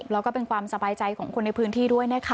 แล้วก็เป็นความสบายใจของคนในพื้นที่ด้วยนะคะ